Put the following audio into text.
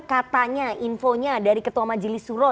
katanya infonya dari ketua majelis suro